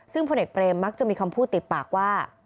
ซึ่งพลเอกเปรมมักจะมีคำพูดติดปากว่า